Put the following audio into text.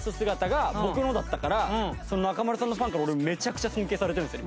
中丸さんのファンから俺めちゃくちゃ尊敬されてるんですよ